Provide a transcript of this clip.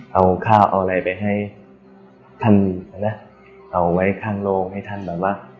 เอาข้าวเอาอะไรไปให้ท่านเอาไว้ข้างโลกให้ท่านแบบว่า